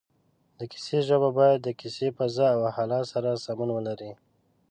د کیسې ژبه باید د کیسې فضا او حالت سره سمون ولري